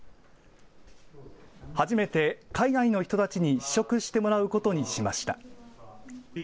初めて海外の人たちに試食してもらうことにしました。